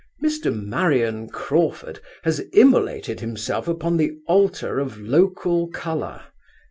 Mr. Marion Crawford has immolated himself upon the altar of local colour.